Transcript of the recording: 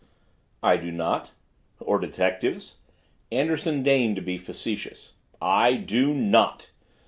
"I do not!" "Or detectives?" Anderson deigned to be facetious. "I DO NOT!"